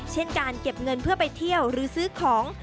เช่นการเก็บเงินเพื่อไปเที่ยวหรือซื้อของ